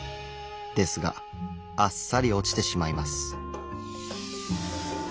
ですがあっさり落ちてしまいます。